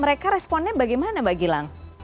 mereka responnya bagaimana mbak gilang